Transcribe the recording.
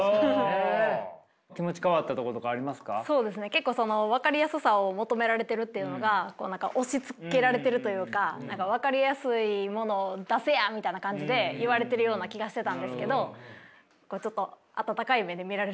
結構その分かりやすさを求められてるっていうのが押しつけられているというか分かりやすいものを出せやみたいな感じで言われてるような気がしてたんですけどちょっと温かい目で見られるようになったというか。